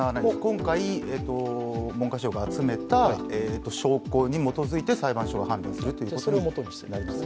今回、文科省が集めた証拠に基づいて裁判所が判断するということになります。